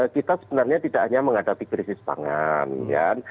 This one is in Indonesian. kita sebenarnya tidak hanya menghadapi krisis pangan